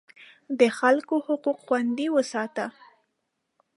د خلکو حقوق خوندي وساته.